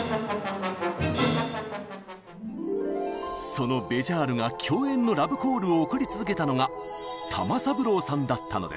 そのベジャールが共演のラブコールを送り続けたのが玉三郎さんだったのです。